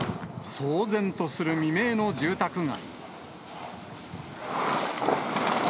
騒然とする未明の住宅街。